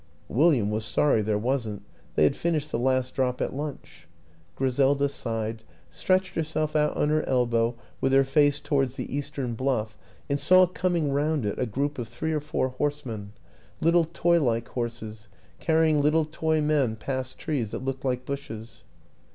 William was sorry there wrsn't they had finished the last drop at lunch. Griselda sighed, stretched herself out on her elbow, with her face towards the eastern bluff, and saw coming round it a group of three or four horsemen little toy like horses, carrying little toy men past trees that looked like bushes.